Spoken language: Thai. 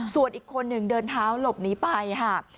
ส่วนอีกคนหนึ่งเดินเท้าหลบหนีไปค่ะ